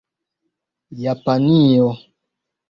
Japanio